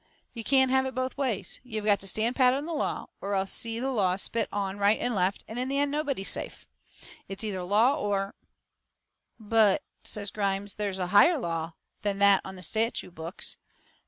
You can't have it both ways you've got to stand pat on the law, or else see the law spit on right and left, in the end, and NOBODY safe. It's either law or " "But," says Grimes, "there's a higher law than that on the statute books.